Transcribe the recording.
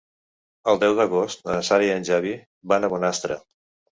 El deu d'agost na Sara i en Xavi van a Bonastre.